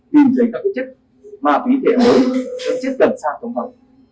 tìm thấy các chất ma phí thể mới các chất cần sạc tổn thương